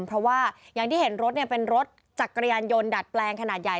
เพราะว่าอย่างที่เห็นรถเป็นรถจักรยานยนต์ดัดแปลงขนาดใหญ่